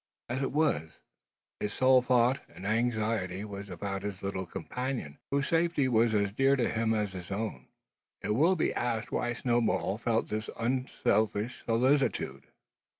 As it was, his sole thought and anxiety was about his little companion, whose safety was as dear to him as his own. It will be asked why Snowball felt this unselfish solicitude.